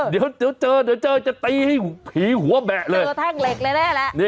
เดี๋ยวเจอจะตีผีหัวแบะเลยเจอแท่งเหล็กแน่